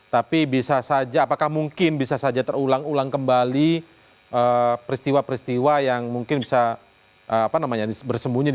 tapi bisa saja apakah mungkin bisa saja terulang ulang kembali peristiwa peristiwa yang sudah terjadi di ketua steering committee piala presiden tahun dua ribu delapan belas